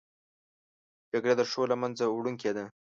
جګړه د ښو له منځه وړونکې ده